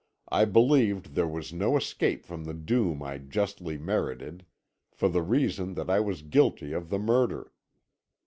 I believed there was no escape from the doom I justly merited, for the reason that I was guilty of the murder.